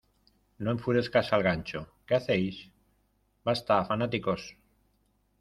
No enfurezcas al gancho. ¿ Qué hacéis? ¡ Basta, fanáticos!